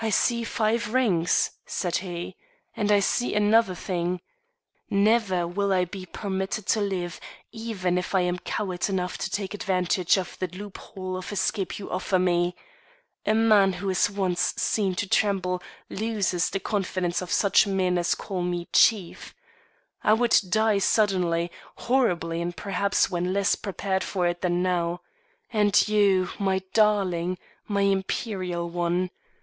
"I see five rings," said he, "and I see another thing. Never will I be permitted to live even if I am coward enough to take advantage of the loophole of escape you offer me. A man who is once seen to tremble loses the confidence of such men as call me chief. I would die suddenly, horribly and perhaps when less prepared for it than now. And you, my darling, my imperial one!